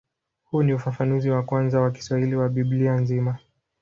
Huu ni ufafanuzi wa kwanza wa Kiswahili wa Biblia nzima.